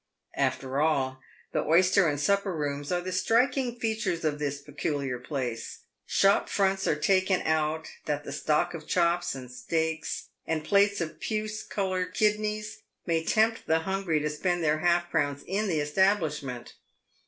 After all, the oyster and supper rooms are the striking features of this peculiar place. Shop fronts are taken out that the stock of chops and steaks, and plates of puce coloured kidneys, may tempt the hungry PAVED WITH GOLD. Ill to spend their half crowns in the establishment.